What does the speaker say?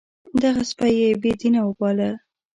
دغه سپی یې بې دینه وباله.